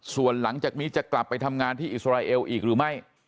ส่วนหลังจากนี้จะกลับไปทำงานที่อิสราเอลอีกหรือไม่